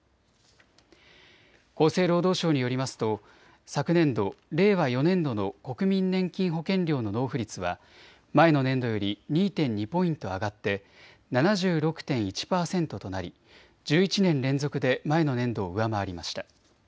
厚生労働省によりますと昨年度・令和４年度の国民年金保険料の納付率は前の年度より２．２ポイント上がって７６．１％となり１１年連続で前の年度を上回りました。